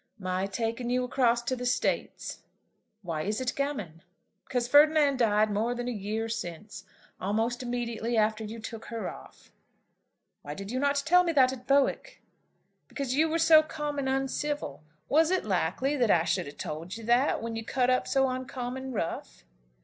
"My taking you across to the States." "Why is it gammon?" "Because Ferdinand died more than a year since; almost immediately after you took her off." "Why did you not tell me that at Bowick?" "Because you were so uncommon uncivil. Was it likely I should have told you that when you cut up so uncommon rough?"